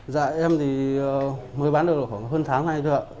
dạ em thì mới bán được khoảng hơn tháng nay thôi ạ